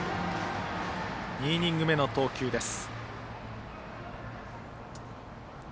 ２イニング目の投球です。